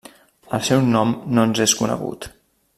El seu nom no ens és conegut.